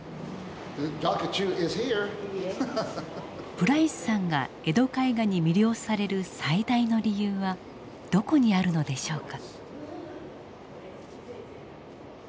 プライスさんが江戸絵画に魅了される最大の理由はどこにあるのでしょうか。